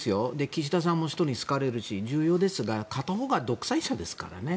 岸田さんも、人に好かれるし重要だと思うんですが片方が独裁者ですからね。